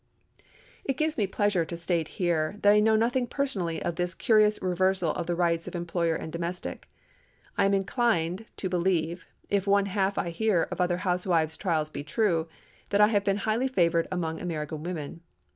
It gives me pleasure to state here, that I know nothing personally of this curious reversal of the rights of employer and domestic. I am inclined to believe, if one half I hear of other housewives' trials be true, that I have been highly favored among American women.